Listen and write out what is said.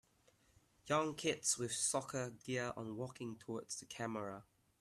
Young kids with soccer gear on walking towards the camera.